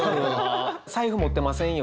財布持ってませんよ